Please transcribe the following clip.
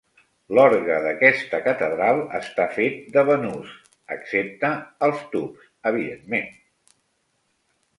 L'orgue d'aquesta catedral està fet de banús, excepte els tubs evidentment.